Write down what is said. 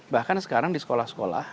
bahkan sekarang di sekolah sekolah